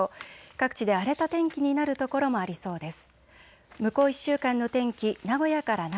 各地で荒れた天気になる所もありそうです。